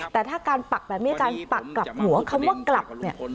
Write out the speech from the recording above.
แต่ถ้าการปักแบบนี้การปักกลับหัวคำว่ากลับเนี่ย